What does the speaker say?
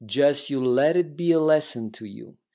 Just you let it be a lesson to you.